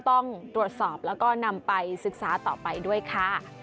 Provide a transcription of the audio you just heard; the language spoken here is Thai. ต้องตรวจสอบแล้วก็นำไปศึกษาต่อไปด้วยค่ะ